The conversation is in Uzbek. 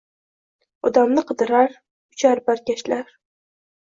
Odamni qidirar uchar barkashlar…